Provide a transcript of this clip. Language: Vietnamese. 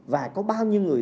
và có bao nhiêu người